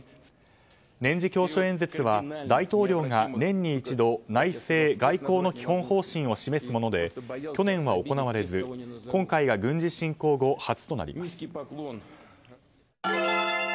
年次教書演説は大統領が年に一度内政・外交の基本方針を示すもので去年は行われず今回が軍事侵攻後初となります。